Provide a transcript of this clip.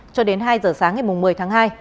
cho đến hai giờ sáng ngày một mươi tháng hai